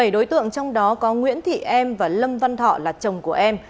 một mươi bảy đối tượng trong đó có nguyễn thị em và lâm văn thọ là chồng của em